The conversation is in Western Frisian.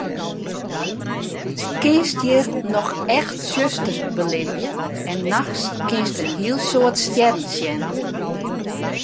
Kinst hjir noch echt tsjuster belibje en nachts kinst in hiel soad stjerren sjen.